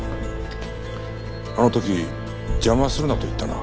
あの時邪魔するなと言ったな？